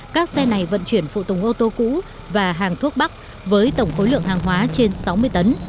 các xe này vận chuyển phụ tùng ô tô cũ và hàng thuốc bắc với tổng khối lượng hàng hóa trên sáu mươi tấn